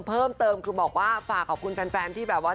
เพิ่มเติมคือบอกว่าฝากขอบคุณแฟนที่แบบว่า